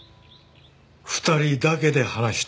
２人だけで話したいんや。